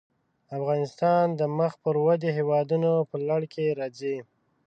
افغانستان د مخ پر ودې هېوادونو په لړ کې راځي.